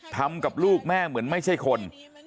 ทำกับลูกแม่เหมือนไม่ใช่คน